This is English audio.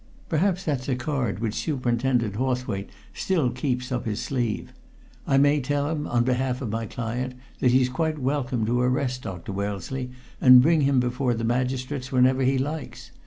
Perhaps that's a card which Superintendent Hawthwaite still keeps up his sleeve. I may tell him, on behalf of my client, that he's quite welcome to arrest Dr. Wellesley and bring him before the magistrates whenever he likes!